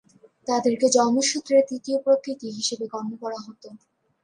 তাদেরকে জন্মসূত্রে তৃতীয় প্রকৃতি হিসেবে গণ্য করা হতো।